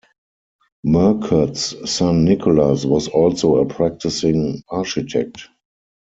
Murcutt's son Nicholas was also a practicing architect.